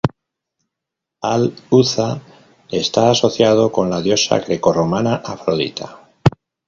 Al-'Uzza está asociado con la diosa greco-romana Afrodita.